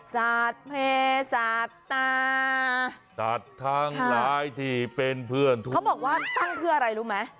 ท่าท่ังร้ายที่เป็นเพื่อนทุกบอกว่าเพื่ออะไรรู้มะ